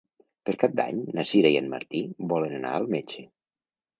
Per Cap d'Any na Sira i en Martí volen anar al metge.